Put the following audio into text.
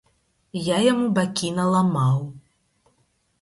Я яму бакі наламаў.